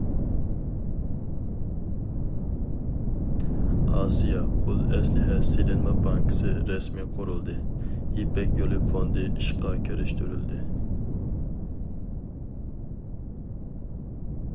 ئاسىيا ئۇل ئەسلىھە سېلىنما بانكىسى رەسمىي قۇرۇلدى، يىپەك يولى فوندى ئىشقا كىرىشتۈرۈلدى.